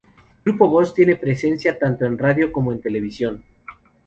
Grupo Voz tiene presencia tanto en radio como en televisión.